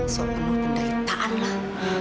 soal emor pendahit taan lah